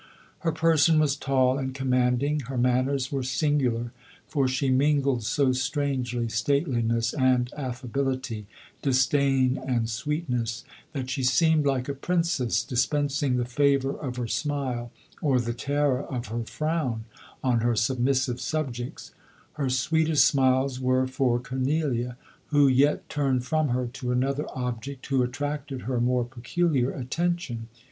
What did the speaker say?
Her person was tall and command ing: her manners were singular, for she min gled so strangely, stateliness and affability, dis • dain and sweetness, that she seemed like a princess dispensing the favour of her smile, or the terror of her frown on her submissive sub jects ; her sweetest smiles were for Cornelia, who yet turned from her to another object, who attracted her more peculiar attention.